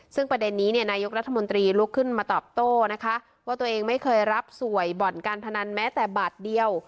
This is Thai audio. ซึ่งประเด็นนี้เนี่ยนายกรัฐมนตรีลุกขึ้นมาตอบโต้นะคะว่าตัวเองไม่เคยรับสวยบ่อนการพนันแม้แต่บาทเดียว